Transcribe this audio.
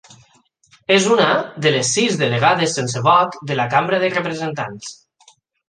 És una de les sis delegades sense vot de la Cambra de Representants.